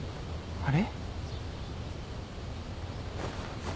あれ？